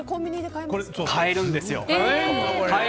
買えるんです。